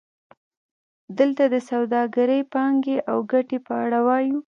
دلته د سوداګریزې پانګې او ګټې په اړه وایو